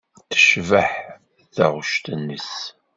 Tecbeḥ taɣect-nnes.